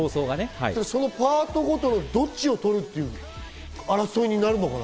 そのパートごと、どっちを取るっていう争いになるのかな。